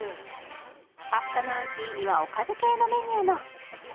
アフタヌーンティーにはおかず系のメニューも。